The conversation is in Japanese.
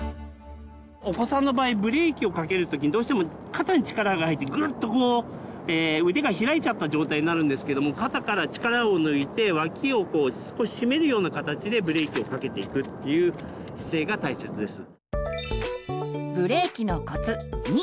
お子さんの場合ブレーキをかける時にどうしても肩に力が入ってグッとこう腕が開いちゃった状態になるんですけども肩から力を抜いて脇をこう少ししめるような形でブレーキをかけていくっていう姿勢が大切です。